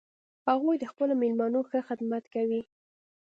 هغوی د خپلو میلمنو ښه خدمت کوي